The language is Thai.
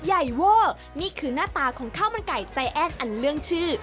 หุ้ยใหญ่เว่นี่คือน่าตาของข้าวมันไก่ใจแอ้นอันเรื่องชื่อ